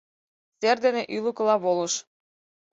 Сер дене ӱлыкыла волыш.